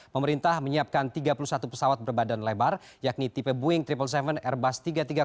pemerintah menyiapkan tiga puluh satu pesawat berbadan lebar yakni tipe boeing tujuh ratus tujuh airbus tiga ratus tiga puluh